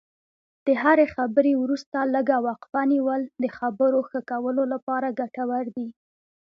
د هرې خبرې وروسته لږه وقفه نیول د خبرو ښه کولو لپاره ګټور دي.